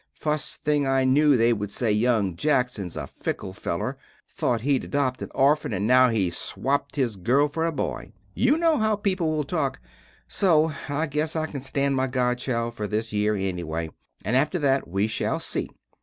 Fust thing I new they wood say, young Jackson's a fikle feller. Thot he'd adop a orfan and now hes swaped his girl fer a boy. You no how people will talk, so I guess I can stand my godchild fer this yere ennyway, and after that we shall see.